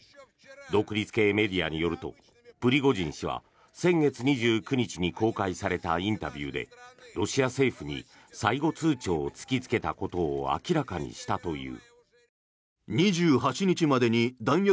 独立系メディアによるとプリゴジン氏は先月２５日に公開されたインタビューでロシア政府に最後通ちょうを突きつけたことを明らかにしたという。